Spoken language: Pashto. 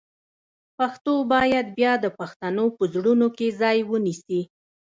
پښتو باید بیا د پښتنو په زړونو کې ځای ونیسي.